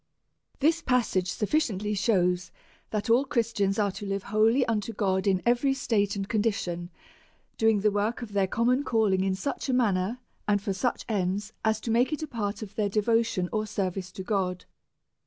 41 This passage sufficiently shews thai all Christians are to live wholly unto God in every folate and condi tion^ during" the work of their common calling, in such a manner, and for such ends, as to make it a part of their devotion or service to God.